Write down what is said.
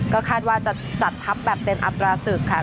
ก็คาดว่าจะจัดทัพแบบเต็มอัตราศึกค่ะ